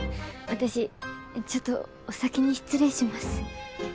私ちょっとお先に失礼します。